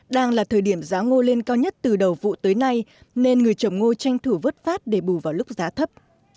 đang là thời điểm giá ngô lên cao nhất từ đầu vụ tới nay nên người trồng ngô tranh thủ vớt phát để bù vào lúc giá thấp